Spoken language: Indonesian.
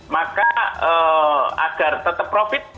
maka agar tetap profit